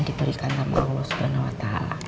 diberikan sama allah swt